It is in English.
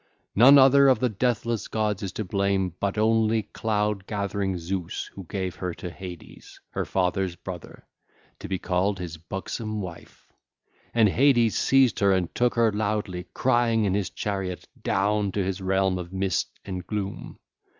None other of the deathless gods is to blame, but only cloud gathering Zeus who gave her to Hades, her father's brother, to be called his buxom wife. And Hades seized her and took her loudly crying in his chariot down to his realm of mist and gloom.